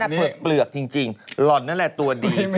ฉันน่ะเปลือกเปลือกจริงหล่อนนั่นแหละตัวดี